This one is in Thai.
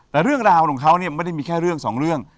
แต่เรื่องราวของเขาเนี่ยไม่ได้มีแค่เรื่องสองเรื่อง